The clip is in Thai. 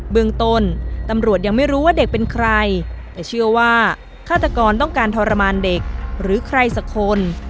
เมืองต้นตำรวจยังไม่รู้ว่าเด็กเป็นใครแต่เชื่อว่าฆาตกรต้องการทรมานเด็กหรือใครสักคน